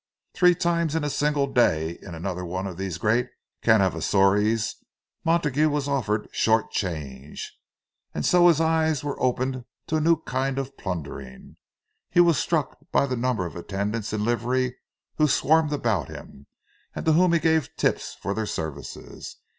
Three times in a single day in another of these great caravanserais Montague was offered "short change"; and so his eyes were opened to a new kind of plundering. He was struck by the number of attendants in livery who swarmed about him, and to whom he gave tips for their services.